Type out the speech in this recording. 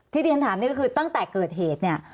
ที่ขวัญถามเนี่ยคือตั้งแต่เกิดเหตุเนี่ย